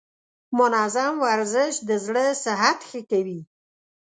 منظم ورزش د زړه صحت ښه کوي.